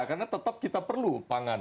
karena tetap kita perlu pangan